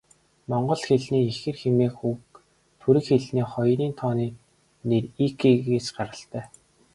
Монгол хэлний ихэр хэмээх үг түрэг хэлний хоёрын тооны нэр 'ики'-ээс гаралтай.